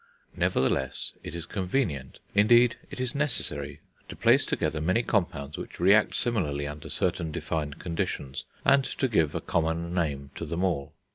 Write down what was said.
Nevertheless it is convenient, indeed it is necessary, to place together many compounds which react similarly under certain defined conditions, and to give a common name to them all.